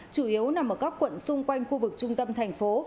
chủ yếu nằm ở các quận xung quanh khu vực trung tâm thành phố